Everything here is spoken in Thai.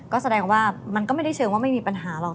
ก็แสดงว่ามันก็ไม่ได้เชิงว่าไม่มีปัญหาหรอก